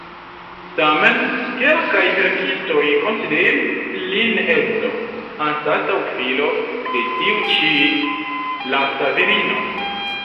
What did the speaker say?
Tamen, kelkaj verkistoj konsideris lin edzo, anstataŭ filo, de tiu ĉi lasta virino.